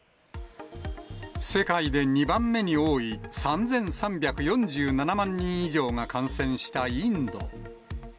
世界で２番目に多い３３４７万人以上が感染したインド。